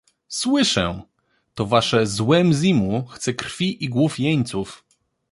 - Słyszę! — to wasze »złe Mzimu« chce krwi i głów jeńców.